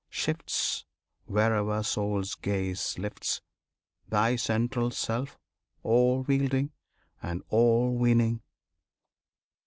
Shifts Wherever soul's gaze lifts Thy central Self, all wielding, and all winning!